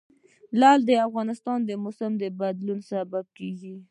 لعل د افغانستان د موسم د بدلون سبب کېږي.